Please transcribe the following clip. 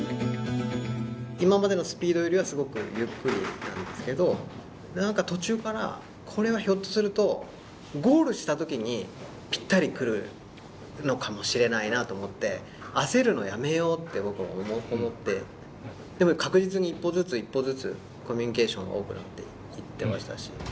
今までのスピードよりはすごくゆっくりなんですけど、なんか途中からこれはひょっとすると、ゴールしたときに、ぴったりくるのかもしれないなと思って、焦るのやめようと僕は思って、でも確実に一歩ずつ、一歩ずつ、コミュニケーションが多くなっていってましたし。